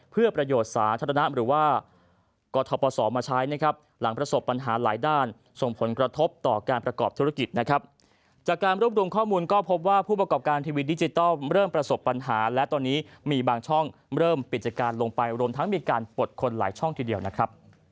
เผื่อประโยชน์สาธารณะหรือว่า